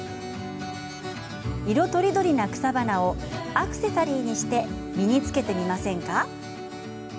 色とりどりな草花をアクセサリーにして身につけてみませんか。